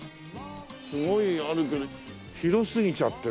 すごいあるけど広すぎちゃってね。